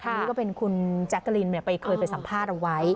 นี่ก็เป็นคุณแจ๊กกะลินเคยไปสัมภาษณ์เอาไว้